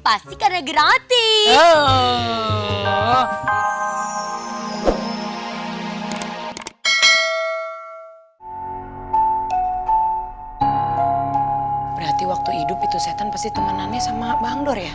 pasti karena gratis berarti waktu hidup itu setan pasti temenannya sama bang dor ya